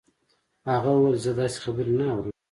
هغه وویل چې زه داسې خبرې نه اورم